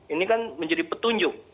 ini kan menjadi petunjuk